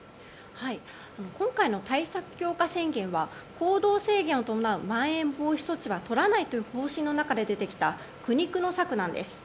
今回の対策強化宣言は行動制限を伴うまん延防止措置はとらないという方針の中で出てきた苦肉の策なんです。